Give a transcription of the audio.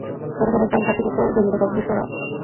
যথাসময়ে তাঁহাদের চারটি পুত্র জন্মিল, সর্বজ্যেষ্ঠ রাম।